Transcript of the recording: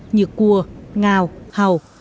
như cua ngào hầu